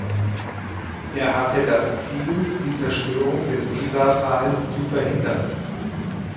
Er hatte das Ziel, die Zerstörung des Isartals zu verhindern.